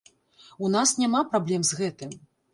У нас няма праблем з гэтым.